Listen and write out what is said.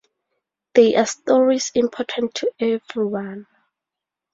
They are stories important to everyone.